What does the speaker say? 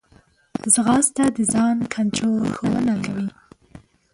ځغاسته د ځان کنټرول ښوونه کوي